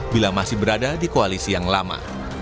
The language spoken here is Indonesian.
bila masih berada di koalisi yang lama